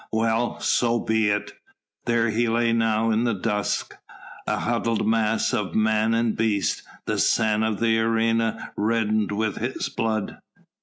Well, so be it! There he lay now in the dust, a huddled mass of man and beast, the sand of the arena reddened with his blood.